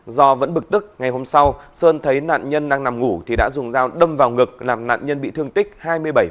do vẫn bực tức ngày hôm sau sơn thấy nạn nhân đang nằm ngủ thì đã dùng dao đâm vào ngực làm nạn nhân bị thương tích hai mươi bảy